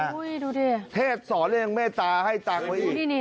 นี่ค่ะเทศสอนเรื่องเมตตาให้ตั้งไว้อีกโอ้โฮดูนี่เนี่ย